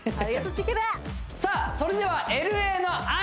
さあそれではＬＡのＩＧ！